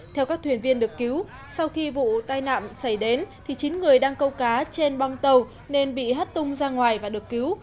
theo các thuyền viên được cứu sau khi vụ tai nạn xảy đến thì chín người đang câu cá trên bong tàu nên bị hất tung ra ngoài và được cứu